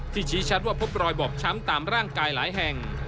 ชี้ชัดว่าพบรอยบอบช้ำตามร่างกายหลายแห่ง